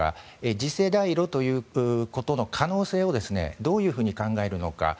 次世代炉ということの可能性をどういうふうに考えるのか。